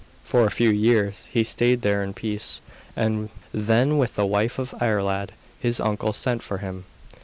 For a few years he stayed there in peace, and then the wife of Iarlaid his uncle sent for him.